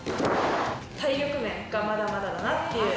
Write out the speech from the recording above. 体力面がまだまだだなっていう。